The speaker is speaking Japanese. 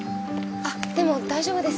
あっでも大丈夫です。